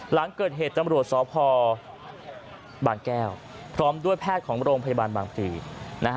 หลังเกิดเหตุตำรวจสพบางแก้วพร้อมด้วยแพทย์ของโรงพยาบาลบางพลีนะฮะ